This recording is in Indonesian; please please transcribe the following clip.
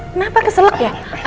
kenapa keselak ya